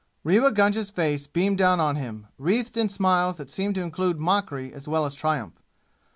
Rewa Gunga's face beamed down on him, wreathed in smiles that seemed to include mockery as well as triumph.